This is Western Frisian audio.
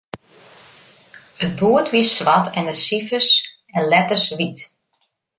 It boerd wie swart en de sifers en letters wyt.